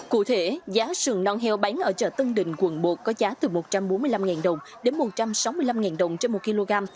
cụ thể giá sườn non heo bán ở chợ tân đình quận một có giá từ một trăm bốn mươi năm đồng đến một trăm sáu mươi năm đồng trên một kg